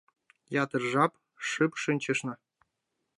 Ятыр жап шып шинчышна.